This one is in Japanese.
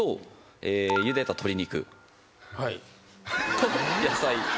と野菜を。